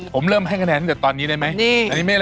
ผมเริ่มให้คะแนนตั้งแต่ตอนนี้ได้ไหมอันนี้ไม่เริ่มเอียงนะนี่